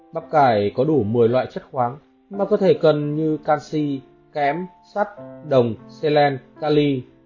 bắp cải có đủ một mươi loại chất khoáng mà cơ thể cần như canxi kém sắt đồng xe len cali